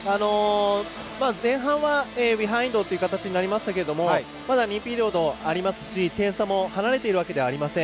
前半はビハインドという形になりましたけどまだ２ピリオドありますし点差も離れているわけではありません。